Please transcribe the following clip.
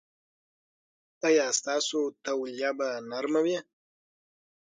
ایا ستاسو تولیه به نرمه وي؟